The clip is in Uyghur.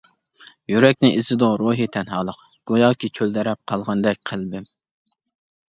يۈرەكنى ئېزىدۇ روھىي تەنھالىق، گوياكى چۆلدەرەپ قالغاندەك قەلبىم.